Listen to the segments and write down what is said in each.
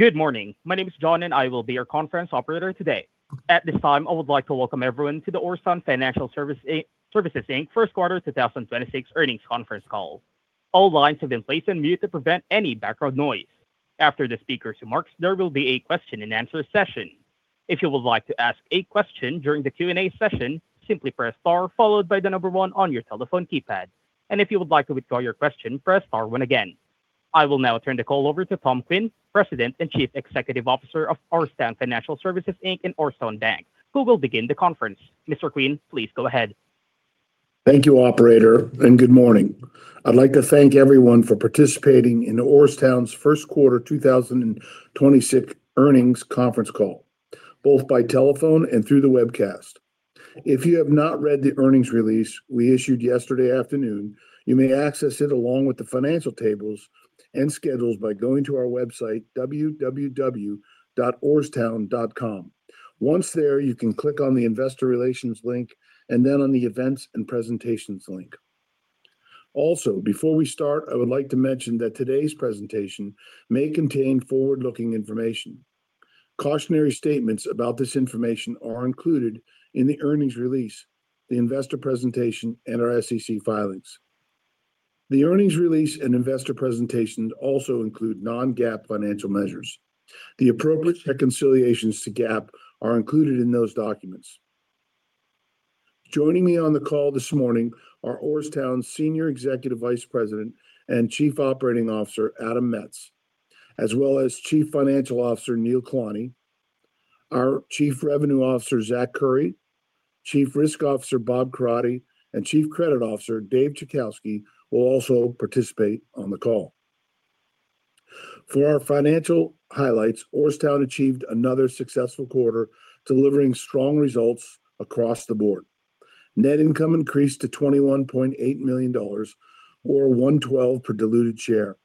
Good morning. My name is John, and I will be your conference operator today. At this time, I would like to welcome everyone to the Orrstown Financial Services, Inc. First Quarter 2026 Earnings Conference Call. All lines have been placed on mute to prevent any background noise. After the speakers' remarks, there will be a question-and-answer session. If you would like to ask a question during the Q&A session, simply press star followed by the number one on your telephone keypad. If you would like to withdraw your question, press star one again. I will now turn the call over to Tom Quinn, President and Chief Executive Officer of Orrstown Financial Services, Inc. and Orrstown Bank, who will begin the conference. Mr. Quinn, please go ahead. Thank you, operator, and good morning. I'd like to thank everyone for participating in Orrstown's First Quarter 2026 Earnings Conference Call, both by telephone and through the webcast. If you have not read the earnings release we issued yesterday afternoon, you may access it along with the financial tables and schedules by going to our website, www.orrstown.com. Once there, you can click on the investor relations link and then on the events and presentations link. Also, before we start, I would like to mention that today's presentation may contain forward-looking information. Cautionary statements about this information are included in the earnings release, the investor presentation and our SEC filings. The earnings release and investor presentation also include non-GAAP financial measures. The appropriate reconciliations to GAAP are included in those documents. Joining me on the call this morning are Orrstown's Senior Executive Vice President and Chief Operating Officer, Adam Metz, as well as Chief Financial Officer, Neil Kalani. Our Chief Revenue Officer, Zach Curry, Chief Risk Officer, Bob Crotty, and Chief Credit Officer, Dave Czajkowski, will also participate on the call. For our financial highlights, Orrstown achieved another successful quarter, delivering strong results across the board. Net income increased to $21.8 million, or $1.12 per diluted share.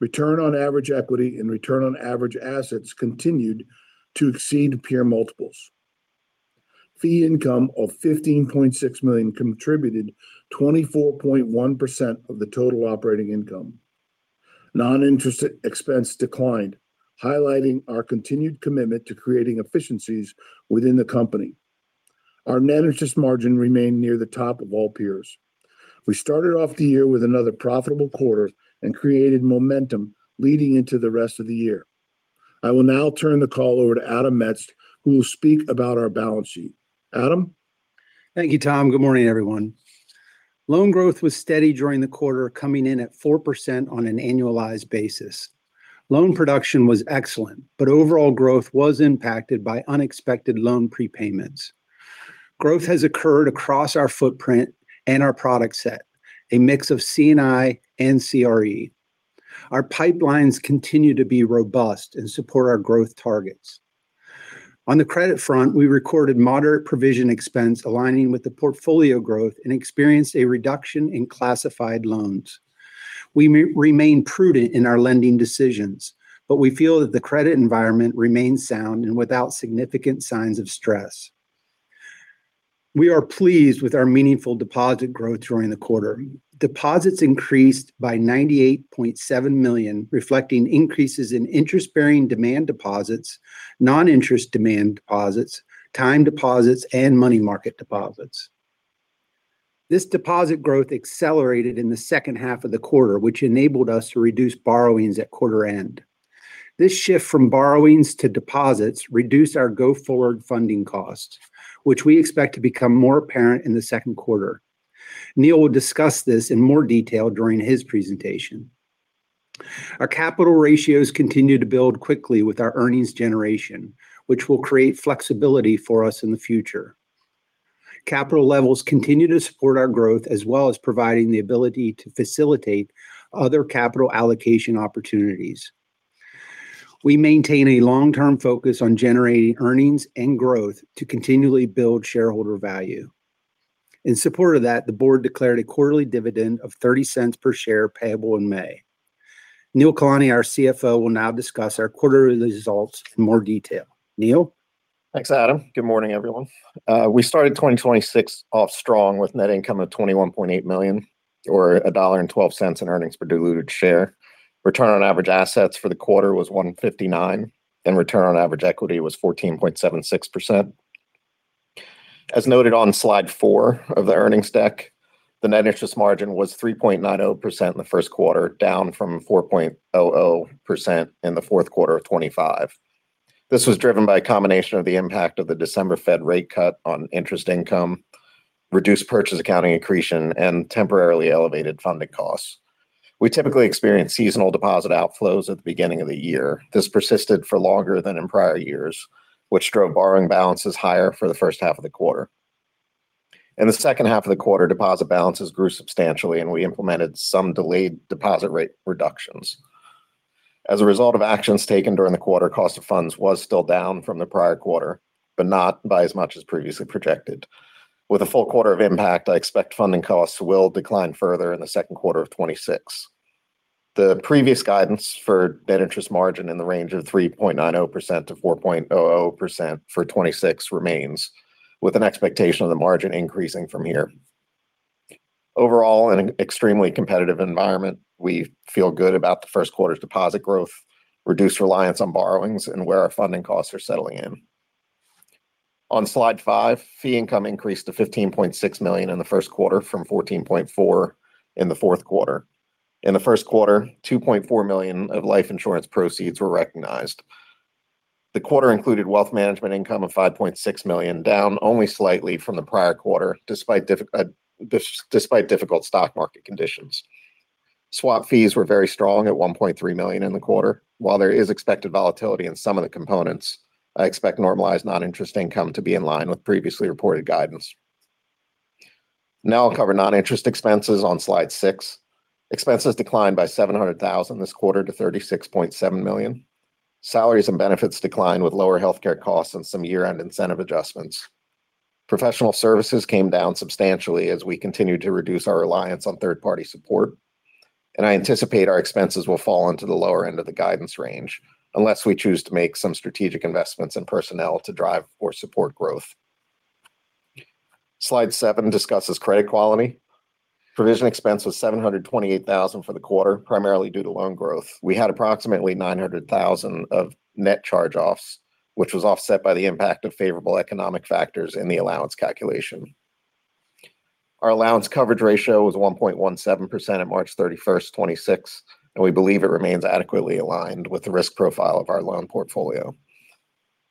Return on average equity and return on average assets continued to exceed peer multiples. Fee income of $15.6 million contributed 24.1% of the total operating income. Non-interest expense declined, highlighting our continued commitment to creating efficiencies within the company. Our net interest margin remained near the top of all peers. We started off the year with another profitable quarter and created momentum leading into the rest of the year. I will now turn the call over to Adam Metz, who will speak about our balance sheet. Adam? Thank you, Tom. Good morning, everyone. Loan growth was steady during the quarter, coming in at 4% on an annualized basis. Loan production was excellent, but overall growth was impacted by unexpected loan prepayments. Growth has occurred across our footprint and our product set, a mix of C&I and CRE. Our pipelines continue to be robust and support our growth targets. On the credit front, we recorded moderate provision expense aligning with the portfolio growth and experienced a reduction in classified loans. We remain prudent in our lending decisions, but we feel that the credit environment remains sound and without significant signs of stress. We are pleased with our meaningful deposit growth during the quarter. Deposits increased by $98.7 million, reflecting increases in interest-bearing demand deposits, non-interest demand deposits, time deposits, and money market deposits. This deposit growth accelerated in the second half of the quarter, which enabled us to reduce borrowings at quarter end. This shift from borrowings to deposits reduced our go-forward funding costs, which we expect to become more apparent in the second quarter. Neil will discuss this in more detail during his presentation. Our capital ratios continue to build quickly with our earnings generation, which will create flexibility for us in the future. Capital levels continue to support our growth as well as providing the ability to facilitate other capital allocation opportunities. We maintain a long-term focus on generating earnings and growth to continually build shareholder value. In support of that, the board declared a quarterly dividend of $0.30 per share payable in May. Neil Kalani, our CFO, will now discuss our quarterly results in more detail. Neil? Thanks, Adam. Good morning, everyone. We started 2026 off strong with net income of $21.8 million or $1.12 in earnings per diluted share. Return on average assets for the quarter was 1.59%, and return on average equity was 14.76%. As noted on slide four of the earnings deck, the net interest margin was 3.90% in the first quarter, down from 4.00% in the fourth quarter of 2025. This was driven by a combination of the impact of the December Fed rate cut on interest income, reduced purchase accounting accretion, and temporarily elevated funding costs. We typically experience seasonal deposit outflows at the beginning of the year. This persisted for longer than in prior years, which drove borrowing balances higher for the first half of the quarter. In the second half of the quarter, deposit balances grew substantially, and we implemented some delayed deposit rate reductions. As a result of actions taken during the quarter, cost of funds was still down from the prior quarter, but not by as much as previously projected. With a full quarter of impact, I expect funding costs will decline further in the second quarter of 2026. The previous guidance for net interest margin in the range of 3.90%-4.00% for 2026 remains, with an expectation of the margin increasing from here. Overall, in an extremely competitive environment, we feel good about the first quarter deposit growth, reduced reliance on borrowings, and where our funding costs are settling in. On slide five, fee income increased to $15.6 million in the first quarter from $14.4 million in the fourth quarter. In the first quarter, $2.4 million of life insurance proceeds were recognized. The quarter included wealth management income of $5.6 million, down only slightly from the prior quarter despite difficult stock market conditions. Swap fees were very strong at $1.3 million in the quarter. While there is expected volatility in some of the components, I expect normalized non-interest income to be in line with previously reported guidance. Now I'll cover non-interest expenses on slide six. Expenses declined by $700,000 this quarter to $36.7 million. Salaries and benefits declined with lower healthcare costs and some year-end incentive adjustments. Professional services came down substantially as we continued to reduce our reliance on third-party support. I anticipate our expenses will fall into the lower end of the guidance range unless we choose to make some strategic investments in personnel to drive or support growth. Slide seven discusses credit quality. Provision expense was $728,000 for the quarter, primarily due to loan growth. We had approximately $900,000 of net charge-offs, which was offset by the impact of favorable economic factors in the allowance calculation. Our allowance coverage ratio was 1.17% at March 31, 2026, and we believe it remains adequately aligned with the risk profile of our loan portfolio.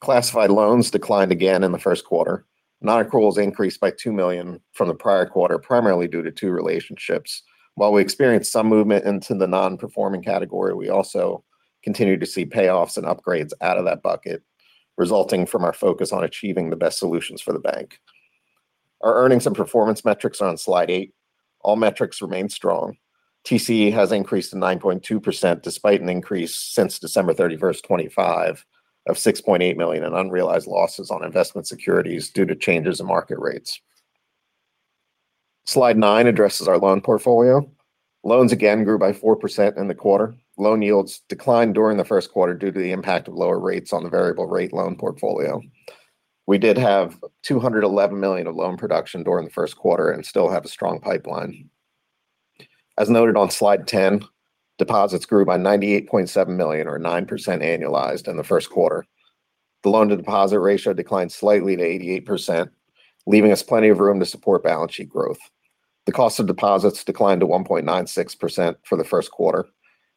Classified loans declined again in the first quarter. Nonaccruals increased by $2 million from the prior quarter, primarily due to two relationships. While we experienced some movement into the non-performing category, we also continued to see payoffs and upgrades out of that bucket, resulting from our focus on achieving the best solutions for the bank. Our earnings and performance metrics are on slide eight. All metrics remain strong. TCE has increased to 9.2%, despite an increase since December 31, 2025 of $6.8 million in unrealized losses on investment securities due to changes in market rates. Slide nine addresses our loan portfolio. Loans again grew by 4% in the quarter. Loan yields declined during the first quarter due to the impact of lower rates on the variable rate loan portfolio. We did have $211 million of loan production during the first quarter and still have a strong pipeline. As noted on slide 10, deposits grew by $98.7 million or 9% annualized in the first quarter. The loan-to-deposit ratio declined slightly to 88%, leaving us plenty of room to support balance sheet growth. The cost of deposits declined to 1.96% for the first quarter.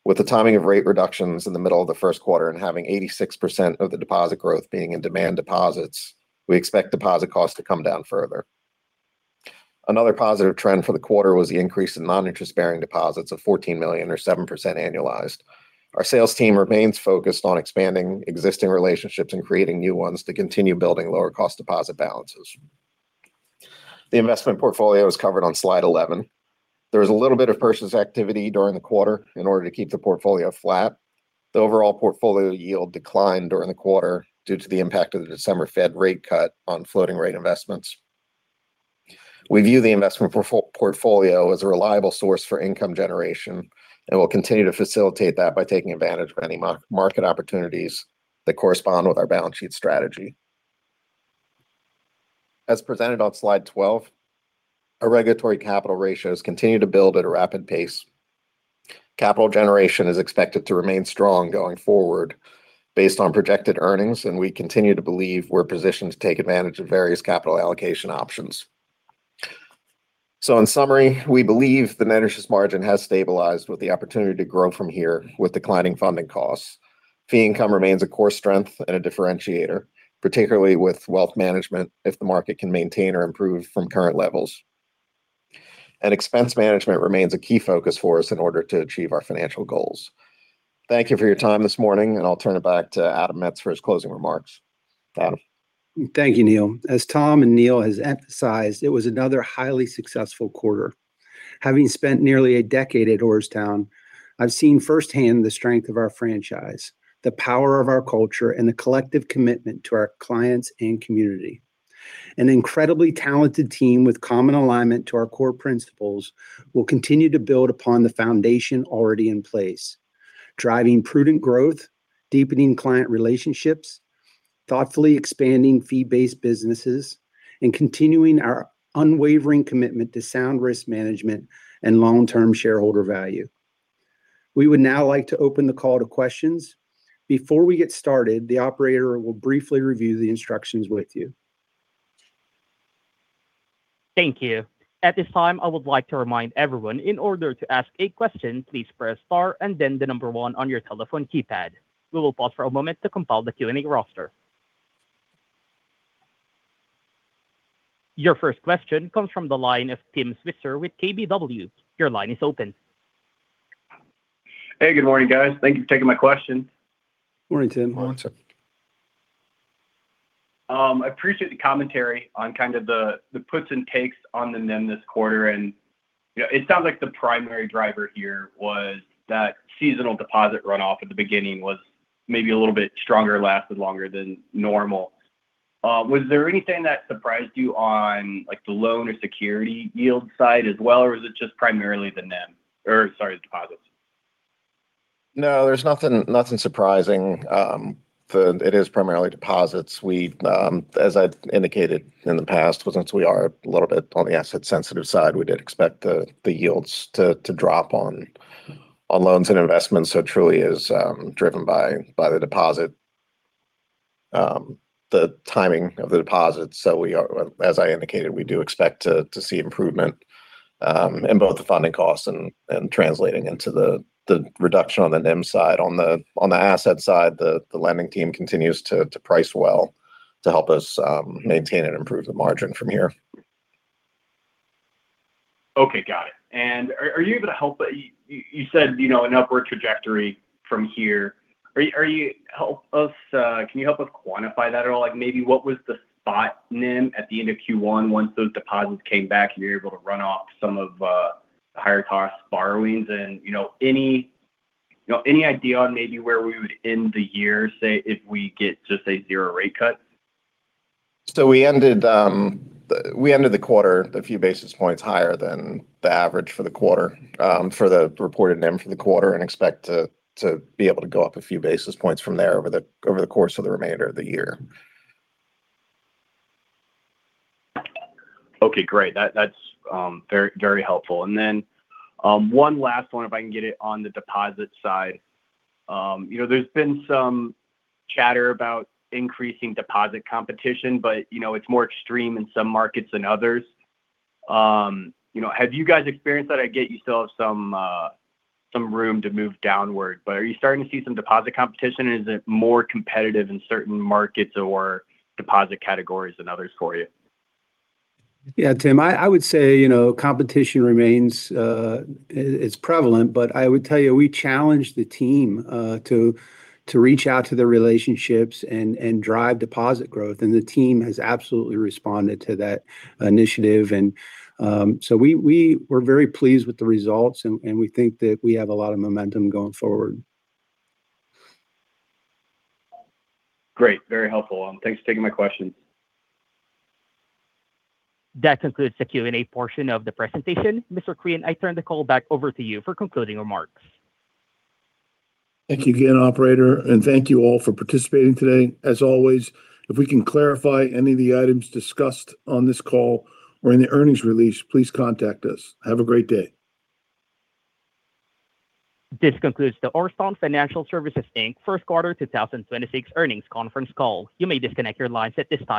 With the timing of rate reductions in the middle of the first quarter and having 86% of the deposit growth being in demand deposits, we expect deposit costs to come down further. Another positive trend for the quarter was the increase in non-interest-bearing deposits of $14 million or 7% annualized. Our sales team remains focused on expanding existing relationships and creating new ones to continue building lower cost deposit balances. The investment portfolio is covered on slide 11. There was a little bit of purchases activity during the quarter in order to keep the portfolio flat. The overall portfolio yield declined during the quarter due to the impact of the December Fed rate cut on floating rate investments. We view the investment portfolio as a reliable source for income generation and will continue to facilitate that by taking advantage of any market opportunities that correspond with our balance sheet strategy. As presented on slide 12, our regulatory capital ratios continue to build at a rapid pace. Capital generation is expected to remain strong going forward based on projected earnings, and we continue to believe we're positioned to take advantage of various capital allocation options. In summary, we believe the net interest margin has stabilized with the opportunity to grow from here with declining funding costs. Fee income remains a core strength and a differentiator, particularly with wealth management if the market can maintain or improve from current levels. Expense management remains a key focus for us in order to achieve our financial goals. Thank you for your time this morning, and I'll turn it back to Adam Metz for his closing remarks. Adam? Thank you, Neil. As Tom and Neil has emphasized, it was another highly successful quarter. Having spent nearly a decade at Orrstown, I've seen firsthand the strength of our franchise, the power of our culture, and the collective commitment to our clients and community. An incredibly talented team with common alignment to our core principles will continue to build upon the foundation already in place, driving prudent growth, deepening client relationships, thoughtfully expanding fee-based businesses, and continuing our unwavering commitment to sound risk management and long-term shareholder value. We would now like to open the call to questions. Before we get started, the operator will briefly review the instructions with you. Thank you. At this time, I would like to remind everyone in order to ask a question, please press star and then the number one on your telephone keypad. We will pause for a moment to compile the Q&A roster. Your first question comes from the line of Tim Switzer with KBW. Your line is open. Hey, good morning, guys. Thank you for taking my question. Morning, Tim. Morning, sir. I appreciate the commentary on kind of the puts and takes on the NIM this quarter, and it sounds like the primary driver here was that seasonal deposit runoff at the beginning was maybe a little bit stronger, lasted longer than normal. Was there anything that surprised you on the loan or security yield side as well? Or was it just primarily the deposits? No, there's nothing surprising. It is primarily deposits. As I've indicated in the past, since we are a little bit on the asset-sensitive side, we did expect the yields to drop on loans and investments. It truly is driven by the deposit, the timing of the deposits. As I indicated, we do expect to see improvement in both the funding costs and translating into the reduction on the NIM side. On the asset side, the lending team continues to price well to help us maintain and improve the margin from here. Okay, got it. Are you able to help? You said an upward trajectory from here. Can you help us quantify that at all? Maybe what was the spot NIM at the end of Q1, once those deposits came back and you're able to run off some of the higher cost borrowings? Any idea on maybe where we would end the year, say, if we get just a zero rate cut? We ended the quarter a few basis points higher than the average for the quarter for the reported NIM for the quarter, and expect to be able to go up a few basis points from there over the course of the remainder of the year. Okay, great. That's very helpful. One last one, if I can get it on the deposit side. There's been some chatter about increasing deposit competition, but it's more extreme in some markets than others. Have you guys experienced that? I get you still have some room to move downward, but are you starting to see some deposit competition? Is it more competitive in certain markets or deposit categories than others for you? Yeah, Tim. I would say, competition remains. It's prevalent, but I would tell you, we challenged the team to reach out to the relationships and drive deposit growth, and the team has absolutely responded to that initiative. We were very pleased with the results, and we think that we have a lot of momentum going forward. Great. Very helpful. Thanks for taking my questions. That concludes the Q&A portion of the presentation. Mr. Quinn, I turn the call back over to you for concluding remarks. Thank you again, operator, and thank you all for participating today. As always, if we can clarify any of the items discussed on this call or in the earnings release, please contact us. Have a great day. This concludes the Orrstown Financial Services Inc. first quarter 2026 earnings conference call. You may disconnect your lines at this time.